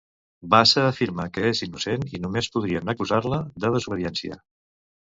Bassa afirma que és innocent i només podrien acusar-la de desobediència.